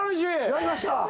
やりました！